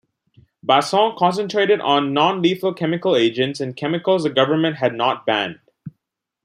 Basson concentrated on non-lethal chemical agents and chemicals the government had not banned.